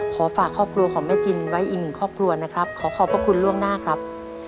ฝากครอบครัวของแม่จินไว้อีกหนึ่งครอบครัวนะครับขอขอบพระคุณล่วงหน้าครับ